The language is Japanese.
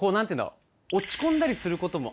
落ち込んだりすることもある？